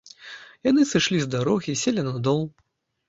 Яны сышлі з дарогі, селі на дол.